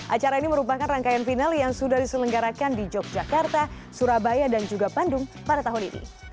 acara ini merupakan rangkaian final yang sudah diselenggarakan di yogyakarta surabaya dan juga bandung pada tahun ini